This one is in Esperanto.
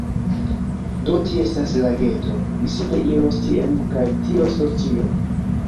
Do, tie estas lageto; mi simple iros tien kaj tio estos ĉio